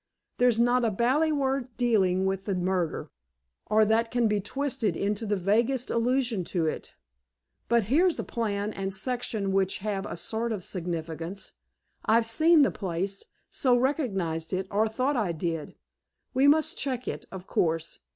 There's not a bally word dealing with the murder, or that can be twisted into the vaguest allusion to it. But here's a plan and section which have a sort of significance. I've seen the place, so recognized it, or thought I did. We must check it, of course.